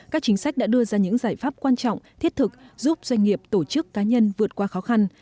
các chính sách đã đưa ra những giải pháp quan trọng thiết thực giúp doanh nghiệp tổ chức cá nhân vượt qua khó khăn